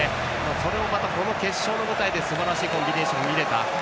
それをまた決勝の舞台ですばらしいコンビネーションが見られた。